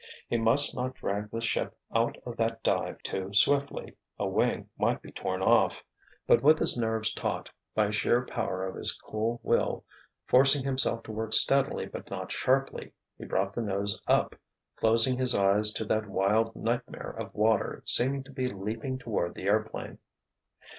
He must not drag the ship out of that dive too swiftly—a wing might be torn off. But with his nerves taut, by sheer power of his cool will forcing himself to work steadily but not sharply, he brought the nose up, closing his eyes to that wild nightmare of water seeming to be leaping toward the airplane.